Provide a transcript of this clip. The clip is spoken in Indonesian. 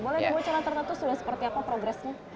mulai dari bocoran tertentu sudah seperti apa progresnya